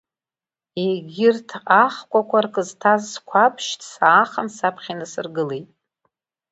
Егьырҭ ахкәакәарк зҭаз сқәабшьҭ саахан саԥхьа инасыргылеит.